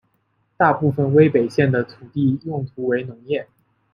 大部分威北县的土地用途为农业。